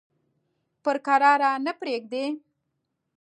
پر کراره نه پرېږدي.